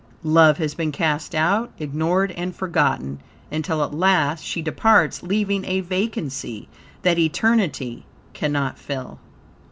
Love has been cast out, ignored and forgotten until at last she departs, leaving a vacancy, that eternity cannot fill.